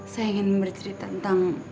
saya ingin bercerita tentang